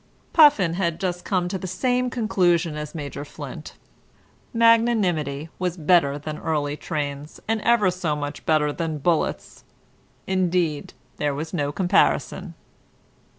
Puffin had just come to the same conclusion as Major Flint: magnanimity was better than early trains, and ever so much better than bullets. Indeed there was no comparison.